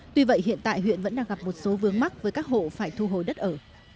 tuy vậy hiện tại huyện vẫn đang gặp một số vướng mắc với các hộ phải thu hồi đất ở